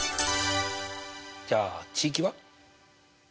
じゃあ値域は？